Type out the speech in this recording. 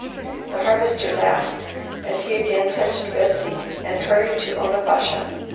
The Harvester laughed as he again touched Betsy and hurried to Onabasha.